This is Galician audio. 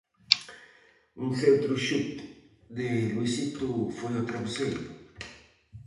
Un centro xute de Luisito foi ao traveseiro.